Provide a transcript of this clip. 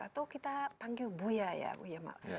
atau kita panggil buya ya buya mak